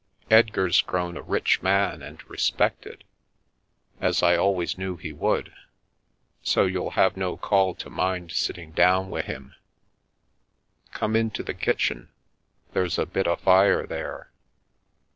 Edgar's grown a rich man and re spected, as I always knew he would, so you'll have no call to mind sitting down wi' him. Come into the kitchen, there's a bit o' fire there."